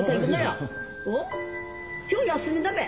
今日休みだべ？